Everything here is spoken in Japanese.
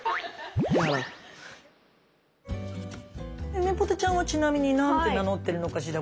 ゆめぽてちゃんはちなみに何て名乗ってるのかしら？